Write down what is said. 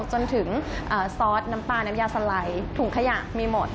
จนถึงซอสน้ำปลาน้ำยาสไลด์ถุงขยะมีหมด